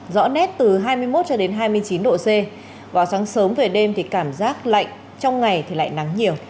rõ nét từ hai mươi một cho đến hai mươi chín độ c vào sáng sớm về đêm thì cảm giác lạnh trong ngày thì lại nắng nhiều